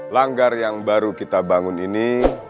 langgar yang baru kita bangun ini